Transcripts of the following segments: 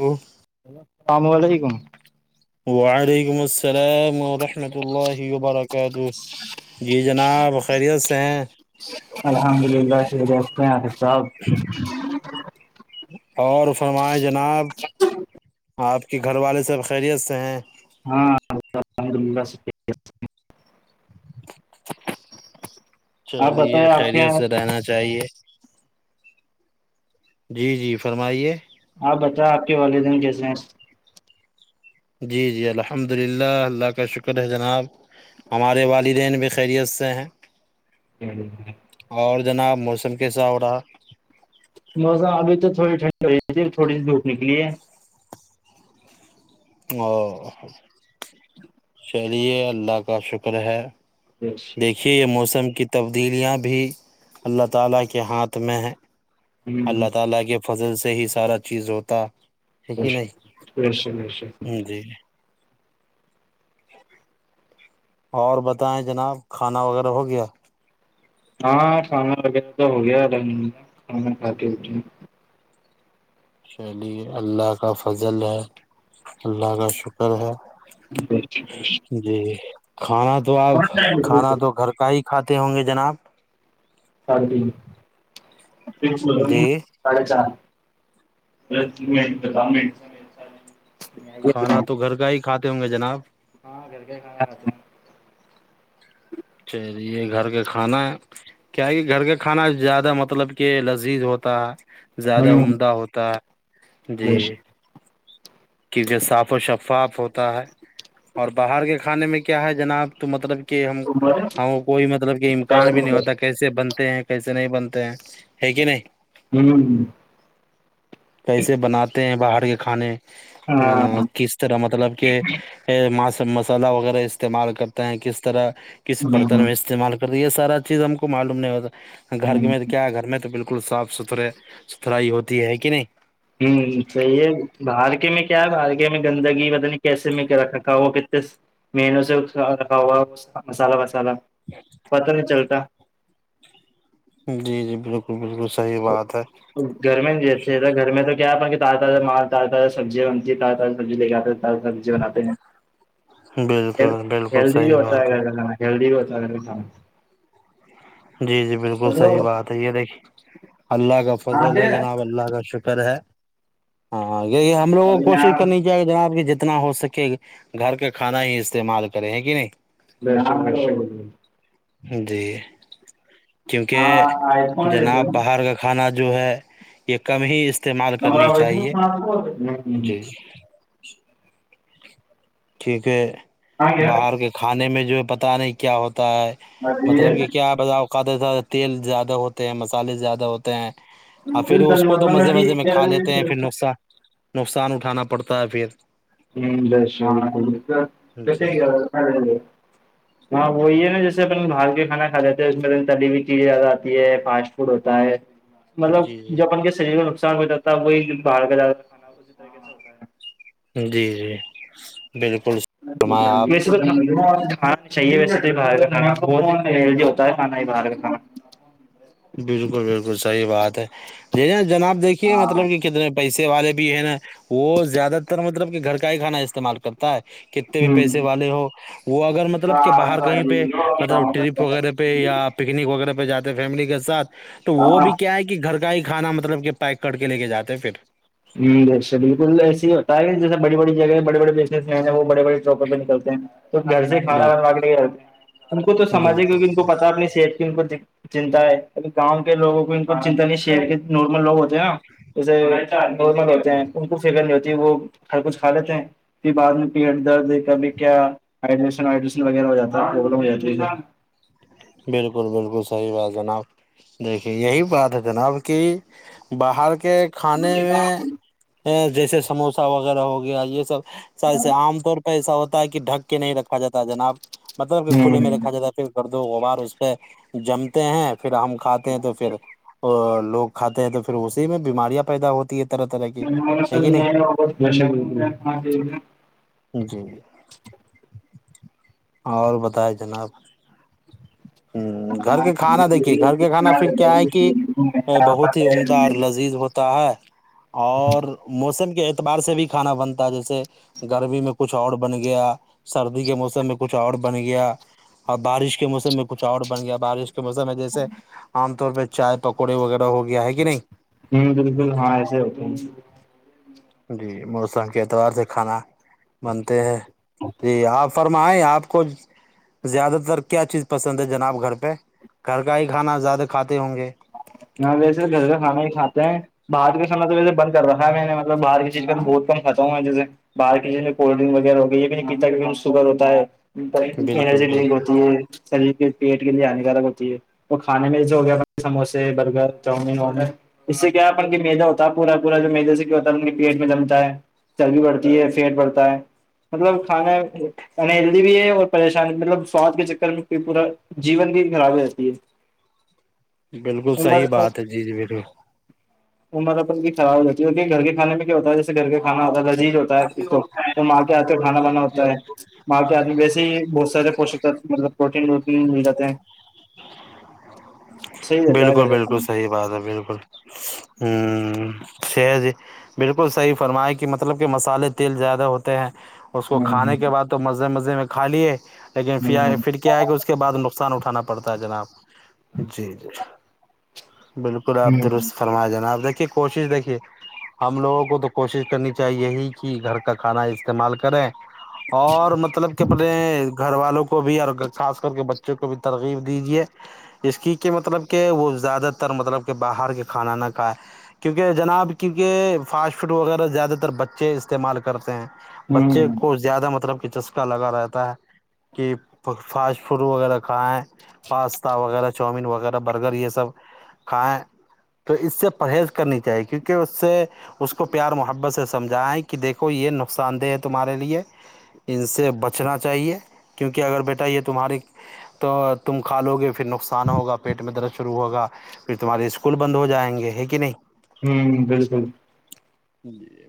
ایک [unintelligible] وعلیکم السلام ورحمۃ اللہ وبرکاتہ جی جناب خیریت سے ہیں الحمد للہ ش [unintelligible] صاحب اور فرمائے جناب آپ کے گھر والے سب خیریت سے ہیں ہاں [unintelligible] آپ چلیے بتائیں آپ کے خیریت سے رہنا چاہیے جی جی فرمائیے آپ بتا آپ کے گھروالے کیسے ہیں جی جی الحمد للہ اللہ کا شکر ہے جناب ہمارے والدین بھی خیریت سے ہیں [unintelligible] اور جناب موسم کیسا ہو رہا موسم ابھی تو تھوڑی ٹھنڈ ہو رہی تھی تھوڑی سی دھوپ نکلی ہے او چلیے اللہ کا شکر ہے خوش دیکھیے یہ موسم کی تبدیلیاں بھی اللہ تعالی کے ہاتھ میں ہے اللہ تعالی کے فضل سے ہی سارا چیز ہوتا ہے بے کہ شک بے شک۔ نہیں جی اور بتائیں جناب کھانا وغیرہ ہو گیا ہاں کھانا وغیرہ تو ہوگیا کھانا کھا کے چلیے اللہ کا فضل ہے اللہ کا شکر ہے [unintelligible] جی کھانا تو آپ کون ٹائم ہے؟ کھانا تو گھر کا ہی کھاتے ہوں گے جناب جی [unintelligible] [unintelligible] کھانا تو گھر کا ہی کھاتے ہوں گے جناب [unintelligible] اچھا‌ جی یہ گھر کا کھانا ہے کیا ہی گھر کا کھانا زیادہ مطلب کہ لذیذ ہوتا ہے زیادہ ہیں ہوں عمدہ ہوتا ہے جی کیونکہ صاف و شفاف ہوتا ہے اور باہر کے کھانے میں کیا ہے جناب تو مطلب کہ ہم ہاں کوئی مطلب کہ امکان بھی نہیں ہوتا کیسے بنتے ہیں کیسے نہیں بنتے ہیں ہے کہ نہیں ہمم کیسے بناتے ہیں باہر کے کھانے ہاں کس طرح مطلب کہ ماس مسالحہ وغیرہ استعمال کرتے ہیں کس طرح کس ہوں برتن میں ہوں استعمال یہ سارا چیز ہم کو معلوم نہیں ہوتا گھر میں تو کیا ہے گھر میں تو بالکل صاف ستھرا ستھرے ستھرائی ہوتی ہے کہ نہیں ہوں صحیح ہے باہر کے میں کیا ہے باہر کے میں گندگی پتا نہیں کیسے میں کیا رکھا ہو کتنے مینو سے سدا ہوا ہو مسالہ وسالہ پتا نہیں چلتا جی جی بالکل بالکل صحیح بات ہے گھر میں جیسے گھر میں تو کیا ہے اپن کے تاز تازہ مال تازہ تازہ سبزی وبزی تازی سبزی لے آتے تازہ سبزی بناتے ہیں بالکل بالکل ہیلدی بھی صحیح ہوتا ہے بات گھر کا کھانا ہیلدی ہوتا ہے جی جی بالکل صحیح ہلو، بات ہے یہ دیکھیے اللہ کا کہاں فضل تھے؟ ہے جناب اللہ کا شکر ہے ہاں یہ ہم لوگوں کو ابھی میں کوشش آ- کرنی جناب کہ جتنا ہو سکے گھر کا کھانا ہی استعمال کرے ہیں کہ نہیں [inaudible] جی کیونکہ ہاں آئی فون لے جناب لو باہر کا کھانا جو ہے یہ کم ہی استعمال کرنی چاہیے جی ٹھیک ہے باہر کے کھانے میں جو ہے پتا نہیں کیا ہوتا ہے مطلب کہ کیا بتبو اوقات تیل زیادہ ہوتے ہیں مسالے زیادہ ہوتے ہیں تا ہے اب پھر اس کو تو مزے مزے میں کھا لیتے ہیں پھر نکسان نقصان اٹھانا پڑتا ہے پھر جی [unintelligible] ہاں وہ یہ ہے نا جیسےنا باہر کا کھانا کھا لیتے ہیں اس میں تلی ہوی چیزیں آتی ہے فاسٹ فوڈ ہوتا ہے مطلب جی جی جو اپن کے شریر میں نقصان ہو جاتتا ہے وہی باہر کا زیادہ تر [inaudible] جی جی بالکل فرمایا آپ [unintelligible] [unintelligible] بالکل بالکل صحیح بات ہے جی جناب دیکھیے کھانا مطلب کہ کتنے پیسے والے بھی ہے نا وہ زیادہ تر مطلب کہ گھر کا ہی کھانا استعمال کر تا ہے کتنے بھی پیسے والے ہو وہ اگر مطلب کہ باہر کہیں پہ مطلب ہوں ٹرپ وغیرہ پہ پہ یا پکنک وغیرہ پہ جاتے ہیں فیملی کے ساتھ تو وہ بھی کیا ہے کہ گھر کا ہی کھانا مطلب کہ پیک کر کے لے کے جاتے ہے پھر جی اچھا بالکل ایس ہی ہوتا ہے جیسے بی بڑی جگہ بڑے بڑے پیسے ویسے وہ بڑے بڑے چوکے پہ نکلتے ہیں تو گھر سے کھانا بنوا بالکل کے لیکے جاتے ہے ان کو تو سمجھے ہے کیونکہ ان بالکل کو پتا ہے اپنی صحت کی ان کو چنتا ہے اب گاؤں کے لوگوں کو ان کو چنتا نہیں شہر کے نارمل لوگ ہوتے ہیں نا جیسے نارمل ہوتے ہیں ان کو فکر نہیں ہوتی وہ ہر کچھ کھا لیتے ہیں پھر بعد میں پیٹ درد کا بھی کیا ہڈریشن وڈریشن وغیرہ ہو جاتا ہے پرلم ہو جاتی ہے بالکل بالکل صحیح بات جناب دیکھیے یہی بات ہے جناب کہ باہر کے کھانے میں جیسے سموسہ وغیرہ ہو گیا یہ سب س سے عام طور پہ ایسا ہوتا ہے کہ ڈھک کے نہیں رکھا جاتا ہے جناب مطلب کہ کھلے میں رکھا جاتا کر دو غبار اس پہ جمتے ہیں پھر ہم کھاتے ہیں تو پھر اور لوگ کھاتے ہیں تو پھر اسی میں بیماریاں پیدا ہوتی ہے طرح طرح کی ہے کہ نہیں [inaudible] جی جی اور بتائیں جناب ہ گھر ہوں کا کھانا دیکھیے گھر کا کھانا پھر کیا ہے کہ بہت ہی عمدہ اور لذیذ ہوتا ہے اور موسم کے اعتبار سے بھی کھانا بنتا ہے جیسے گرمی میں کچھ اور بن گیا سردی کے موسم میں کچھ اور بن گیا اور بارش کے موسم میں کچھ اور بن گیا بارش کے موسم میں جیسے عام طور پہ چائے پکوڑے وغیرہ ہو گئے گیا ہے کہ نہیں ہوں بالکل ہاں ایسے ہو جی موسم کے اعتبار سے کھانا بنتے ہیں جی آپ فر ہم آئے آپ کو زیادہ تر کیا چیز پسند ہے جناب گھر پہ گھر کا ہی کھانا زیادہ کھاتے ہوں گے ہاں ویسے گھر کا کھانا ہی کھاتے ہیں باہر کا سم تو وس بند کر رہا ہے میں نے مطلب باہر کی چیز کا تو بہت کم کھا ہوں میں جی سے باہر کی جس میں کولڈ ڈرنک وغیرہ ہو گیا یہ بھی نہیںتا سگگر ہوتا ہے بالکل ارجی لیک بالکل ہوتی ہے شریر کے پیٹ کے لیے ہانیکارک ہوتی ہے تو کھے میں جو ہو گیا سموسے برگر چاؤمین آڈر اس سے کیا اپن کے میدا ہوتا ہے پورا پورا جو مدے سے کیا ہوتا ہے پیٹ میں جمتا ہے چربی پڑتی ہے پھینٹ پڑتا ہے مطلب کھانا انلی بھی ہے اور پریشانی مطلب سواد کے چکر میں پورا جیون بھی گرابی رہتی ہے بالکل صحیح بات ہے جی جی بالکل ج وہران کی ہو جی ہے اور گھر کے کھے میں کیا ہوتا ہے جیسے گھر کا کھا آتا ہے لذیج ہوتا ہے دھ کو تو م آتے آتے کھانا بانا ہوتا ہے مال کے آدمی ویسے ہی بہت سارے پوشک مطلب پروٹین ووٹین مل جاتے ہیں صحیح رہتا ہے بالکل گھر کا بالکل کھانا صحی بات ہے بالکل ہوں ش جی بالکل صحیح فرمایا کہ مطلب کہ مسالے تیل زیادہ ہوتے ہیں اس کو ہوں کھانے کے بعد تو مزے مزے میں کھا لیے لیکن پھر آ ہوں پھر کیا آئے کہ اس کے بعد نقصان اٹھانا پڑا پڑتا جناب جی جی بالکل آپ ہوں درست فرما جانا آپ دیکھیے کوشش دیکھیے ہم لوگوں کو تو کوشش کرنی چاہیے ہی کہ گھر کا کھانا استعمال کریں اور مطلب کہ اپنے گھر والوں کو بھی اور خاص کر کے بچ بچوں کو بھی ترغیب دیجیے ج کی کہ مطلب کہ وہ زیادہ اتر مطلب کہ باہر کے کھانا نہ کھائے کیونکہ جناب کیونکہ فاسٹ فوڈ وغیرہ زیادہ تر بچے استعمال کرتے ہیں بچے ہوں کو زیادہ مطلب کہ چسکا لگا رہتا ہے کہ فاسٹ فوڈ وغیرہ کھائیں پاستا وغیرہ چاؤومین وغیرہ برگر یہ سب کھائیں تو اس سے پرہیز کرنی چاہیے کیونکہ اس سے اس کو پیار محبت سے سمجھائیں کہ دیکھو یہ نقصان دہ ہے تمہارے لیے ان سے بچنا چاہیے کیونکہ اگر بیٹا یہ تمہاری تو تم کھا لو گے پھر نقصان ہوگا پیٹ میں درد شروع ہوگا پھر تمہارے اسکول بند ہو جائیں گے ہے کہ نہیں ہوں بالکل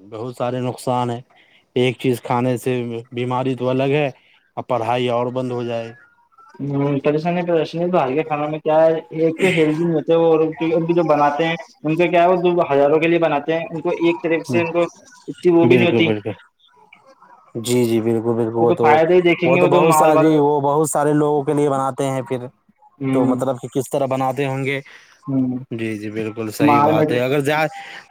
بہت سارے نقصان ہے ایک چیز کھانے سے بیماری تو الگ ہے اور پڑھائی اور بند ہو جائے پریشانی پریشنی تو ہر کے کھانا میں کیا ہے ایک تو ہیلی ہو جو بناتے ہیں ان کا کیا ہے وہ ہزاروں کے لیے بناتے ہیں ایک طرف سے ان کو ا وہ بھی نہیں بالکل ہوتی بالکل جی جی بالکل بالکل وہ تو فائدہ ہی دیکھیں وہ گے تو بہت مال والا سی وہ بہت سارے لوگوں کے لیے بناتے ہیں پھر تو ہوں مطلب کہ کس طرح بناتے ہوں گے ہوں جی جی بالکل صحیح مال میں بات ہے اگر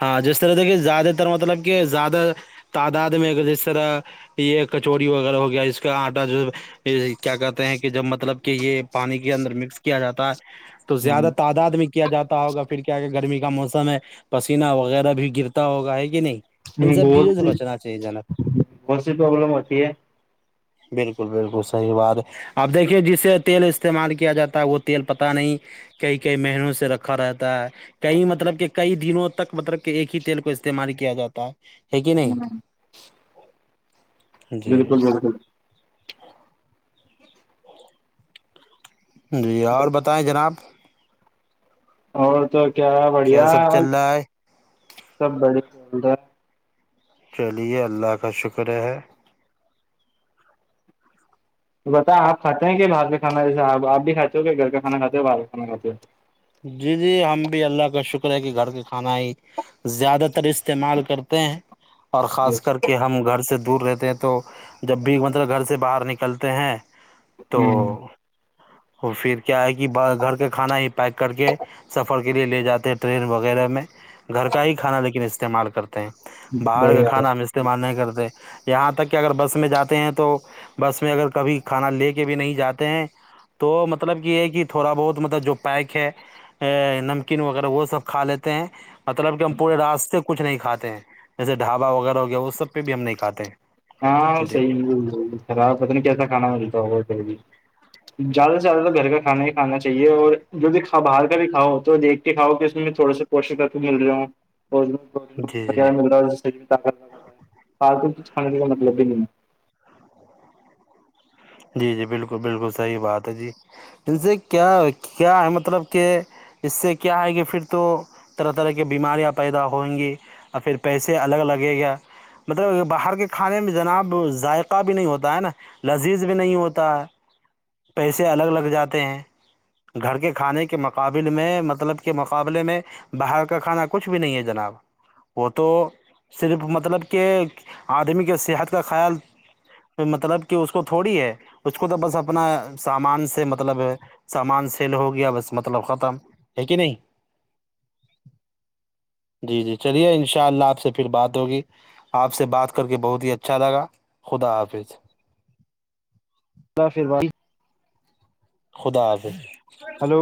ہاں جس رح دیکھیے زیادہ تر مطلب کہ زیادہ تعداد میں جی طرح یہ کچوری وغیرہ ہو گیا ج کا آٹا جو یہ کیا کہتے ہیں کہ جب مطلب کہ یہ پانی کے اندر مکس کیا جاتا ہے تو ہوں زیادہ تعداد میں کیا جاتا ہوگا پھر کیا کہ گرمی کا موسم ہے پسینہ وغیرہ بھی گرتا ہوگا ہے کہ نہیں ہ ان سب بہت چیزوں سے سی بچنا چاہیے جناب بہت سی پرابلم ہوتی ہے بالکل بالکل صحیح بات آپ دیکھیے جسے تیل استعمال کیا جاتا ہے وہ تیل پتا نہیں کئی کئی مہنوں سے رکھا رہتا ہے کئی مطلب کہ کئی دنوں تک مطلب کہ ایک ہی تیل کو استعمال کیا جاتا ہے ہے کہ نہیں جی بالکل بالکل جی اور بتائیں جناب اور تو کیا بڑھیا سب اور چل رہا ہے سب بڑھیاول رہا ہے چلیے اللہ کا شکر ہے تو بت آپ کاتے ہیں کہ باہر میں کھانا جیس آپ بھی کاتے ہو کہ گھر کا کھا کھاتے ہو باہر کا کھا کھاتے ہو جی جی ہم بھی اللہ کا شکر ہے کہ گھر کے کھانا ہی زیادہ تر استعمال کرتے ہیں اور ہو خاص کر کے ہم گھر سے د دور رہتے ہیں تو جب بھی مطلب گھر سے باہر نکلتے ہیں تو ہوں اور پھر کیا ہے کہ گھر کا کھانا ہی پیک کر کے سفر کے لیے لے جاتے ہیں ٹرین وغیرہ میں گھر کا ہی کھانا لیکن استعمال کرتے باہر کا بڑھیا کھانا ہم استعمال نہیں کرتے یہاں تک کہ اگر بس میں جاتے ہیں تو بس میں اگر کبھی کھانا لے کے بھی نہیں جاتے ہیں تو مطلب یہ ہے کہ تھوڑا بہت مطلب جو پیک ہے نمکین وغیرہ وہ سب کھا لیتے ہیں مطلب کہ ہم پورے راستے کو کچھ نہیں کھاتے جیسے ڈھابا وغیرہ ہو گیا وہ سب پہ بھی ہم نہیں کھاتے ہیں ہاں جی صحی خراب پت نہیں کیسا کھانا ملتا ہو پھر بھی زیادہ سے زیادہ گھر کا کھانا ہی کھانا چاہیے اور جو بھی کھا باہر کا بھی کھا ہو تو دیکھ کاؤ کہ اس میں تھوڑے سے پوشک کے مل رہا ہوں اور جی جی وغہ مل رہا ہے سے شری طاقت لگ رہا فالتو کچھے کا مطلب بھی نہیں ہے جی جی بالکل بالکل صحیح بات ہے جی کیا کیا ہے مطلب کہ اس سے کیا ہے کہ پھر تو طرح طرح کے بیماریاں پیدا ہئ گی اور پھر پیسے الگ لگے گا مطلب باہر کے کھانے میں جناب ذائقہ بھی نہیں ہوتا ہے نا عزیز بھی نہیں ہوتا پیسے الگ لگ جاتے ہیں گھر کے کھانے کے مقابل میں مطلب کے مقابلے میں باہر کا کھانا کچھ بھی نہیں ہے جناب وہ تو صرف مطلب کہ آدمی کے صحت کا خیال مطلب کہ اس کو تھوڑی ہے اس کو تو بس اپنا سامان سے مطلب سامان سیل ہو گیا بس مطلب ختم ہے کہ نہیں ج ہے جی جی چلیے ان شاء اللہ آپ سے پھر بات ہوگی آپ سے بات کر کے بہت ہی اچھا لگا خدا حافظ ب پھر ب خدا آا بھیظ ہلو